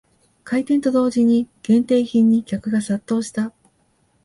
開店と同時に限定品に客が殺到した